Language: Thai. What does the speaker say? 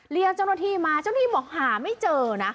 เรียกเจ้าหน้าที่มาเจ้าหน้าที่บอกหาไม่เจอนะ